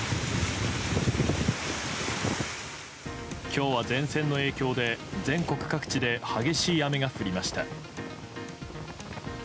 今日は、前線の影響で全国各地で激しい雨が降りました。